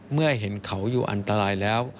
เมื่อเห็นเขาอยู่อันตรายแล้ว